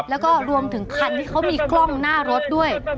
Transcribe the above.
แล้วก็รวมถึงคันที่เขามีกล้องหน้ารถด้วย